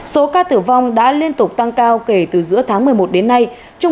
số ca tử vong đã liên tục tăng cao kể từ giữa tháng một mươi một đến nay